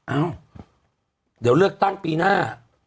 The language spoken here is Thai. เอ้าเดี๋ยวเลือกตั้งปีหน้า